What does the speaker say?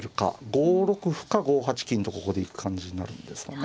５六歩か５八金とここで行く感じになるんですよね。